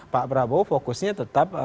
pak prabowo fokusnya tetap